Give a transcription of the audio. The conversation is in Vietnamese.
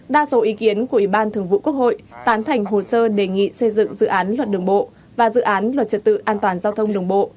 đa số ý kiến của ủy ban thường vụ quốc hội tán thành hồ sơ đề nghị xây dựng dự án luật đường bộ và dự án luật trật tự an toàn giao thông đường bộ